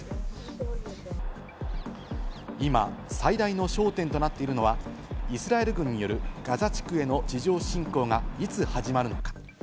今、最大の焦点となっているのは、イスラエル軍によるガザ地区への地上侵攻がいつ始まるのか。